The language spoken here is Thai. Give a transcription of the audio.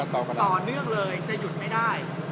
ต่อเนื่องเลยจะหยุดไม่ได้